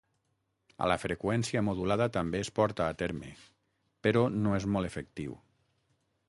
A la freqüència modulada també es porta a terme, però no és molt efectiu.